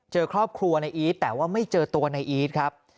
เจอครอบครัวนายอีสแต่ว่าเจอตัวนายอีสครับ